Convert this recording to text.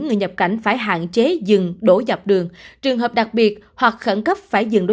người nhập cảnh phải hạn chế dừng đổ dọc đường trường hợp đặc biệt hoặc khẩn cấp phải dừng đối